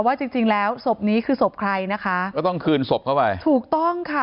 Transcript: จริงจริงแล้วศพนี้คือศพใครนะคะก็ต้องคืนศพเข้าไปถูกต้องค่ะ